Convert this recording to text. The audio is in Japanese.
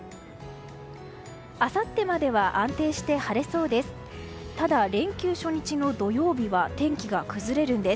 あさってまでは安定して晴れそうです。